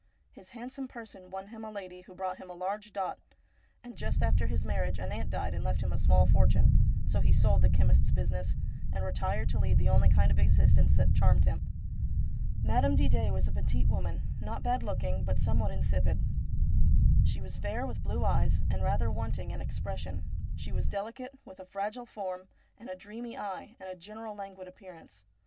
His handsome person won him a lady who brought him a large dot ; and just after his marriage an aunt died and left him a small fortune, so he sold the chemist's business, and retired to lead the only kind of exist ence that charmed him. Madame Didet was a petite woman ; not bad looking, but 296 STORIES WEIRD AND WONDERFUL somewhat insipid. She was fair, with blue eyes, and rather wanting in expression. She was delicate, with a fragile form and a dreamy eye and a general languid appearance.